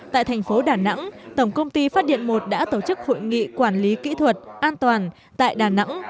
tại thành phố đà nẵng tổng công ty phát điện một đã tổ chức hội nghị quản lý kỹ thuật an toàn tại đà nẵng